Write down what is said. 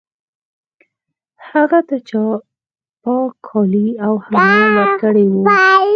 هغه ته چا پاک کالي او حمام هم ورکړی و